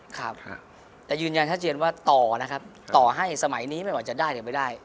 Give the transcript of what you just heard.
แต่ยืนยันท่าเจียนว่าต่อให้สมัยนี้ไม่ว่าจะได้ยังไม่ได้